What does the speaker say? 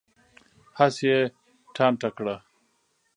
هسې یې ټانټه کړه.